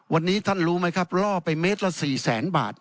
วันนี้ท่านรู้ไหมครับล่อไปเมตรละ๔แสนบาท